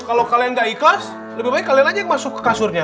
kalau kalian nggak ikhlas lebih baik kalian aja yang masuk ke kasurnya